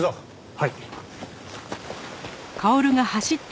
はい。